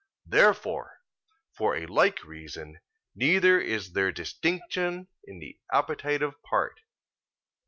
Therefore, for a like reason, neither is there distinction in the appetitive part.